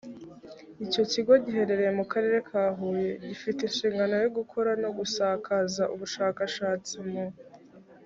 icyo kigo giherereye mu karere ka huye gifite inshingano yo gukora no gusakaza ubushakashatsi mu